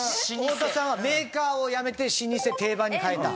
太田さんはメーカーをやめて老舗・定番に変えた？